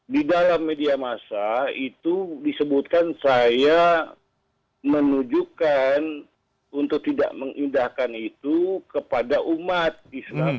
di dalam media masa itu disebutkan saya menunjukkan untuk tidak mengindahkan itu kepada umat islam